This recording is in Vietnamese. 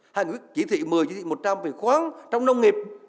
hành quyết chỉ thị một mươi chỉ thị một trăm linh về khoáng trong nông nghiệp